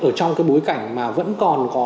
ở trong cái bối cảnh mà vẫn còn có